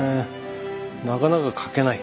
なかなか描けない。